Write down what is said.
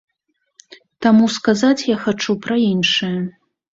Таму сказаць я хачу пра іншае.